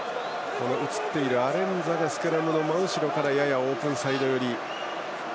アレンザがスクラムから真後ろからややオープンサイド寄り。